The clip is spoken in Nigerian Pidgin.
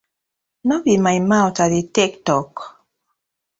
No be my mouth I dey tak tok?